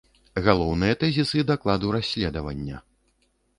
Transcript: Галоўныя тэзісы дакладу расследавання.